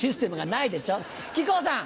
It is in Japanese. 木久扇さん。